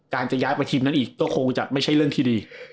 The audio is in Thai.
จะย้ายไปทีมนั้นอีกก็คงจะไม่ใช่เรื่องที่ดี